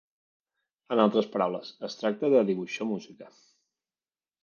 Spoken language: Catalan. En altres paraules, es tracta de 'dibuixar música'".